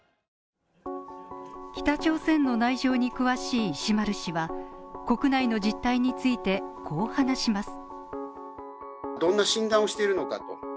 北朝鮮の内情に詳しい石丸氏は国内の実態についてこう話します。